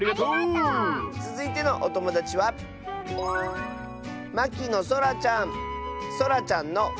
つづいてのおともだちはそらちゃんの。